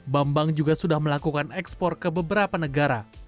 bambang juga sudah melakukan ekspor ke beberapa negara